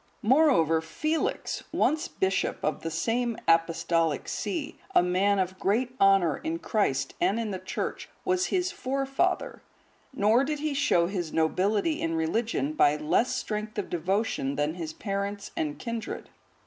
Moreover Felix, once bishop of the same Apostolic see, a man of great honour in Christ and in the Church, was his forefather.(146) Nor did he show his nobility in religion by less strength of devotion than his parents and kindred.